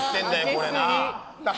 これなあ。